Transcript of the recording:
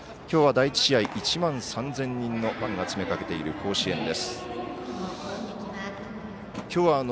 きょうは第１試合１万３０００人のファンが詰めかけている甲子園。